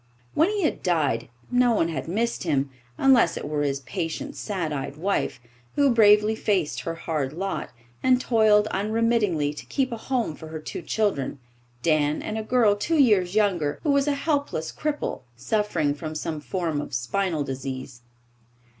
When he had died, no one had missed him, unless it were his patient, sad eyed wife, who bravely faced her hard lot, and toiled unremittingly to keep a home for her two children Dan and a girl two years younger, who was a helpless cripple, suffering from some form of spinal disease.